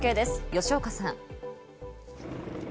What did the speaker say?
吉岡さん。